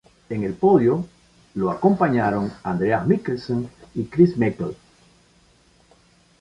En el podio lo acompañaron Andreas Mikkelsen y Kris Meeke.